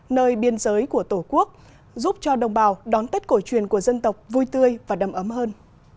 nơi biên giới của tổ quốc giúp cho đồng bào đón tết cổ truyền của dân tộc vui tươi và đầm ấm hơn